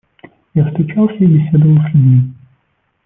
Я встречался и беседовал с людьми.